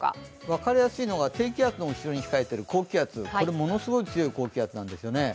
分かりやすいのが低気圧の後ろに控えている高気圧、これ、ものすごい強い高気圧なんですよね。